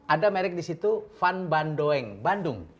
ada merk di situ van bandoeng bandung